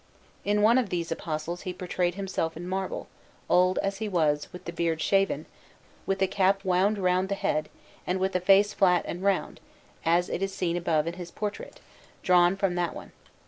In one of these Apostles he portrayed himself in marble, old, as he was, with the beard shaven, with the cap wound round the head, and with the face flat and round, as it is seen above in his portrait, drawn from that one.